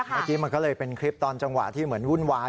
เมื่อกี้มันก็เลยเป็นคลิปตอนจังหวะที่เหมือนวุ่นวาย